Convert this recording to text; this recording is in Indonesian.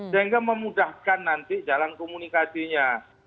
sehingga memudahkan nanti jalan komunikasinya